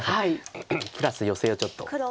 プラスヨセをちょっと。